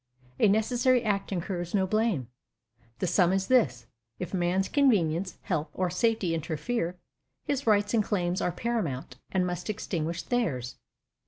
A necessary act incurs no blame. The sum is this: if man's convenience, health, Or safety interfere, his rights and claims Are paramount, and must extinguish theirs.